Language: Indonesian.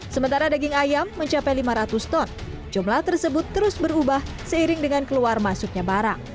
sementara daging ayam mencapai lima ratus ton jumlah tersebut terus berubah seiring dengan keluar masuknya barang